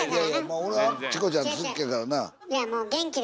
まあ俺チコちゃん好きやからな。